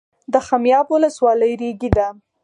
د خمیاب ولسوالۍ ریګي ده